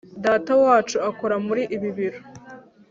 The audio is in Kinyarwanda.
datawacu akora muri ibi biro.